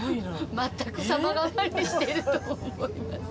全く様変わりしてると思います。